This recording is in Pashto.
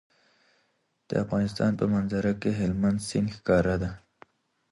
د افغانستان په منظره کې هلمند سیند ښکاره ده.